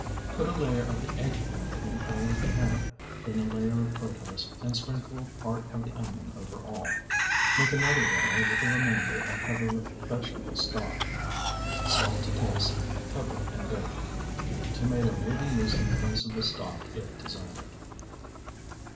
Put a layer of the eggplant in an oiled pan, then a layer of protose, and sprinkle part of the onion over all. Make another layer with the remainder and cover with vegetable stock. Salt to taste, cover, and bake. Tomato may be used in place of the stock if desired.